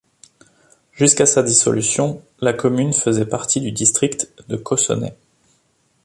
Jusqu'à sa dissolution, la commune faisait partie du district de Cossonay.